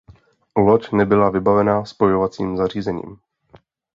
Loď nebyla vybavena spojovacím zařízením.